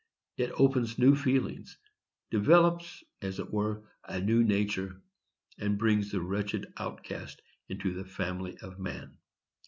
It opens new feelings, develops, as it were, a new nature, and brings the wretched outcast into the family of man.